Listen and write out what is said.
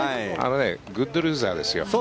グッドルーザーですよ。